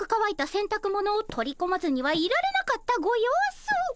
せんたくものを取り込まずにはいられなかったご様子。